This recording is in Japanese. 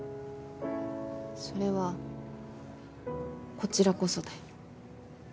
それはこちらこそだよ。